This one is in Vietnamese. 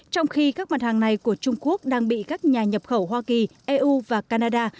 trong khi các mặt hàng này của trung quốc đang bị các nhà nhập khẩu hoa kỳ eu và canada